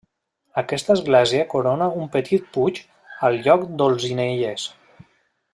Aquesta església corona un petit puig al lloc d'Olzinelles.